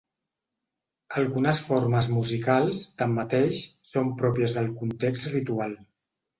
Algunes formes musicals, tanmateix, són pròpies del context ritual.